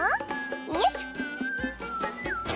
よいしょ。